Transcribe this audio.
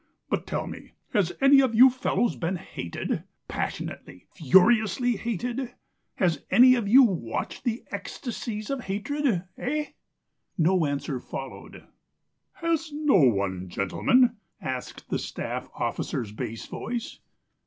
But, tell me, has any one of you fellows been hated passionately, furiously hated? Has any one of you watched the ecstasies of hatred? Eh?" No answer followed. "Has no one, gentlemen?" asked the staff officer's bass voice.